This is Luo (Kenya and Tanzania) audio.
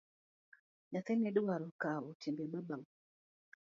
Nyathini idwaro kawo timbe babau.